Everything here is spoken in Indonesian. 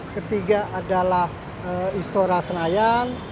ketiga adalah istora senayan